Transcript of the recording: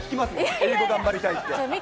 英語やりたいって。